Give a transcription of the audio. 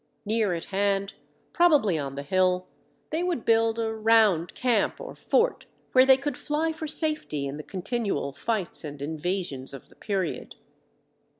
Near at hand, probably on the hill, they would build a (round) camp or fort, where they could fly for safety in the continual fights and invasions of the period.